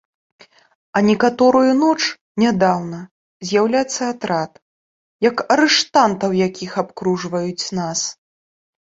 А некаторую ноч, нядаўна, з'яўляецца атрад, як арыштантаў якіх абкружваюць нас!